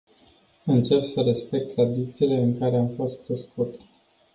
Încerc să respect tradițiile în care am fost crescut.